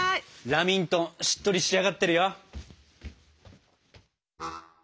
ラミントンしっとり仕上がってるよ！